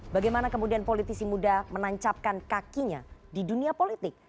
bagaimana kemudian politisi muda menancapkan kakinya di dunia politik